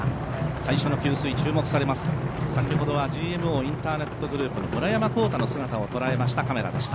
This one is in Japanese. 最初の給水、注目されます、先ほどはＧＭＯインターネットグループの村山紘太の姿を捉えましたカメラでした。